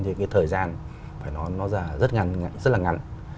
thì cái thời gian nó ra rất là ngắn